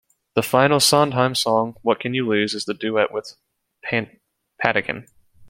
The final Sondheim song, "What Can You Lose", is the duet with Patinkin.